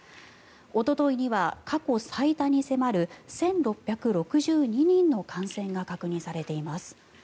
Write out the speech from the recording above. おとといには過去最多に迫る１６６２人の感染が確認されています。